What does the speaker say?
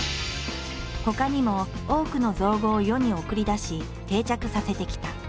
ほかにも多くの造語を世に送り出し定着させてきた。